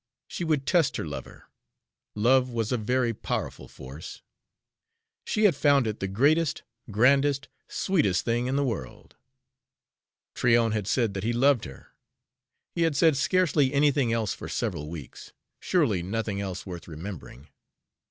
She would test her lover. Love was a very powerful force; she had found it the greatest, grandest, sweetest thing in the world. Tryon had said that he loved her; he had said scarcely anything else for several weeks, surely nothing else worth remembering.